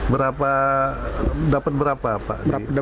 berapa dapat berapa pak